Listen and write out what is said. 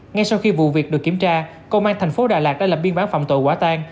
ngay sau khi vụ việc được kiểm tra công an tp đà lạt đã làm biên bán phạm tội quả tang